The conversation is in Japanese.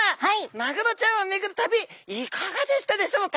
マグロちゃんを巡る旅いかがでしたでしょうか。